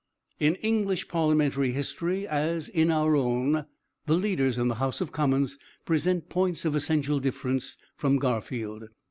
"In English parliamentary history, as in our own, the leaders in the House of Commons present points of essential difference from Garfield.